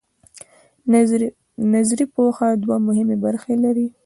نظري پوهه دوه مهمې برخې لري.